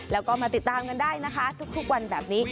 แล้วก็มาติดตามกันได้นะคะทุกวันแบบนี้